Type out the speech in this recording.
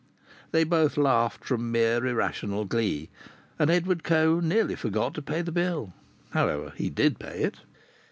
They both laughed from mere irrational glee, and Edward Coe nearly forgot to pay the bill. However, he did pay it.